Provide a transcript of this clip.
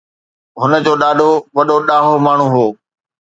هن جو ڏاڏو وڏو ڏاهو ماڻهو هو